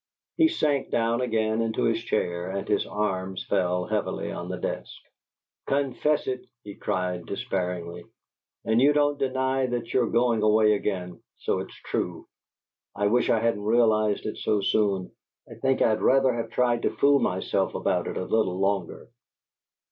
He sank down again into his chair and his arms fell heavily on the desk. "Confess it!" he cried, despairingly. "And you don't deny that you're going away again so it's true! I wish I hadn't realized it so soon. I think I'd rather have tried to fool myself about it a little longer!"